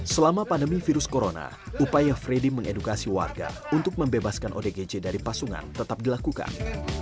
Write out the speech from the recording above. selama pandemi virus corona upaya freddy mengedukasi warga untuk membebaskan odgj dari pasungan tetap dilakukan